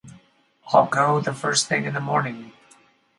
I'll go the first thing in the morning.